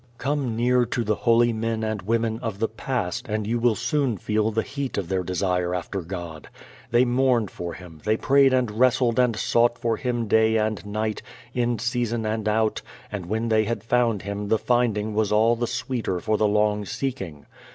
Come near to the holy men and women of the past and you will soon feel the heat of their desire after God. They mourned for Him, they prayed and wrestled and sought for Him day and night, in season and out, and when they had found Him the finding was all the sweeter for the long seeking.